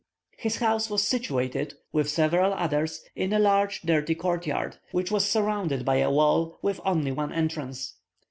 His house was situated, with several others, in a large dirty court yard, which was surrounded by a wall with only one entrance.